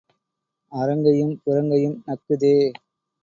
அறங்கையும் புறங்கையும் நக்குதே.